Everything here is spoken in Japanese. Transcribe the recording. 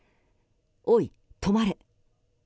「おい、止まれ」。